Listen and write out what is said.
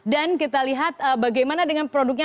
dan kita lihat bagaimana dengan produknya